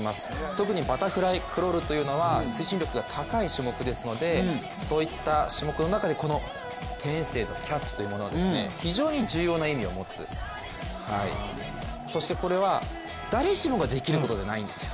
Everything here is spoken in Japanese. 特にバタフライ、クロールというのは推進力の高い競技ですのでそういった種目の中でこの天性のキャッチというものが非常に重要な意味を持つ、そしてこれは誰しもができることじゃないんですよ。